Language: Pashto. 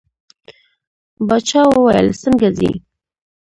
باچا وویل څنګه ځې.